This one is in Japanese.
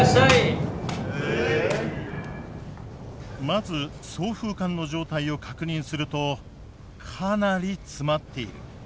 まず送風管の状態を確認するとかなり詰まっている。